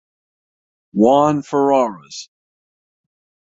Juan Ferreras.